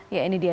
ya ini dia